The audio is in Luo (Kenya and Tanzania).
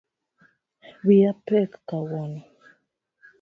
Wiya pek kawuono